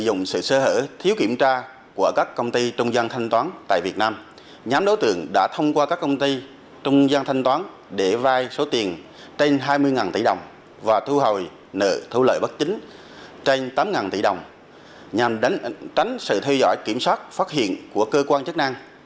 sử dụng sự sơ hở thiếu kiểm tra của các công ty trung gian thanh toán tại việt nam nhóm đối tượng đã thông qua các công ty trung gian thanh toán để vai số tiền trên hai mươi tỷ đồng và thu hồi nợ thu lợi bất chính trên tám tỷ đồng nhằm tránh sự theo dõi kiểm soát phát hiện của cơ quan chức năng